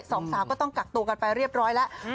สองสาวก็ต้องกักตัวกันไปเรียบร้อยแล้ว